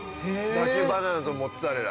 焼きバナナとモッツァレラ。